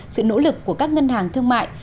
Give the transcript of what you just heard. sự nỗ lực của các ngân hàng thương mại